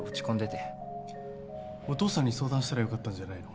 お父さんに相談したらよかったんじゃないの？